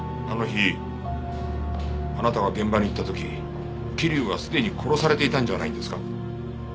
あの日あなたが現場に行った時桐生はすでに殺されていたんじゃないんですか？